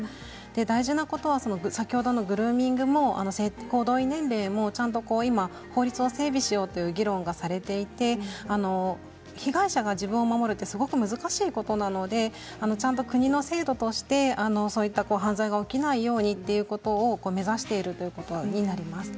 大事なことは先ほどのグルーミングも性交同意年齢もちゃんと法律を整備しようという議論がされていて被害者が自分を守るってすごく難しいことなのでちゃんと国の制度として犯罪が起きないようにということを目指しているということになります。